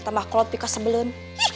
tambah klot pika sebelun